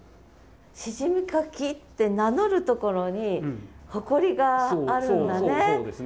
シジミ掻きって名乗るところに誇りがあるんだね。